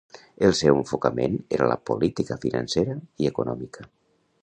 El seu enfocament era la política financera i econòmica.